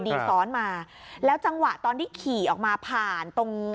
ซ้อนมาแล้วจังหวะตอนที่ขี่ออกมาผ่านตรง